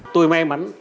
tôi may mắn